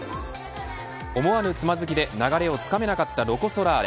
思わぬつまずきで流れをつかめなかったロコ・ソラーレ